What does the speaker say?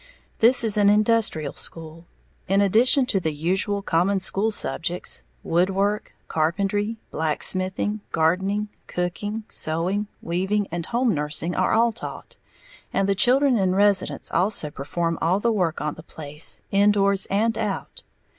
This is an industrial school, in addition to the usual common school subjects, woodwork, carpentry, blacksmithing, gardening, cooking, sewing, weaving and home nursing are all taught, and the children in residence also perform all the work on the place, indoors and out.